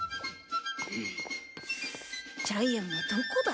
ジャイアンはどこだ？